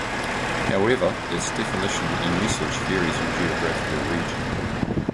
However its definition and usage varies with geographical region.